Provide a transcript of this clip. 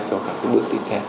cho các bước tiếp theo